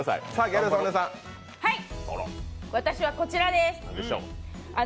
私はこちらです。